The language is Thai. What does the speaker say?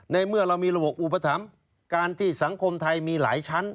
เมื่อเรามีระบบอุปถัมภ์การที่สังคมไทยมีหลายชั้น